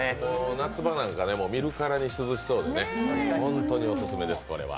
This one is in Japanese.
夏場なんか、見るからに涼しそうで、本当にオススメです、これは。